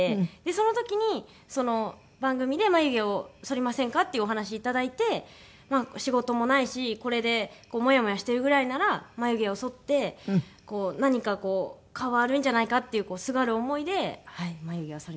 その時に番組で「眉毛をそりませんか？」っていうお話いただいて仕事もないしこれでモヤモヤしてるぐらいなら眉毛をそって何かこう変わるんじゃないかっていうすがる思いで眉毛をそりました。